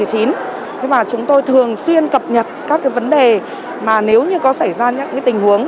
thế mà chúng tôi thường xuyên cập nhật các cái vấn đề mà nếu như có xảy ra những cái tình huống